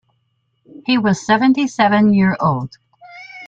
He was seventy-seven year old.